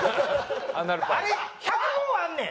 あれ１００のもあんねん。